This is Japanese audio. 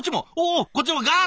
こっちもガーッと。